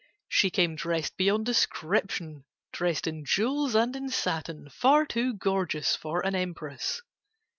She came dressed beyond description, Dressed in jewels and in satin Far too gorgeous for an empress.